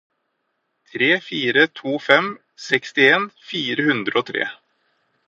tre fire to fem sekstien fire hundre og tre